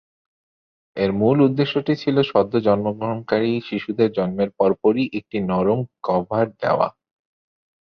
এর মূল উদ্দেশ্যটি ছিল সদ্য জন্মগ্রহণকারী শিশুদের জন্মের পরপরই একটি নরম কভার দেওয়া।